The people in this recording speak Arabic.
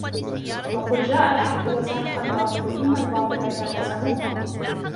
وَقُلْ جَاءَ الْحَقُّ وَزَهَقَ الْبَاطِلُ إِنَّ الْبَاطِلَ كَانَ زَهُوقًا